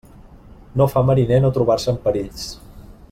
No fa mariner no trobar-se en perills.